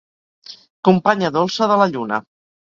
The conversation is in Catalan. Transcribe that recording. Companya dolça de la lluna.